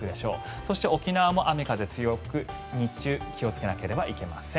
そして沖縄も雨、風強く日中気をつけなければいけません。